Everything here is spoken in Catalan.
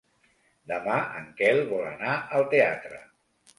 Demà en Quel vol anar al teatre.